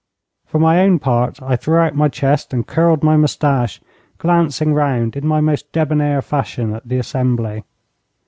For my own part I threw out my chest and curled my moustache, glancing round in my own debonair fashion at the assembly.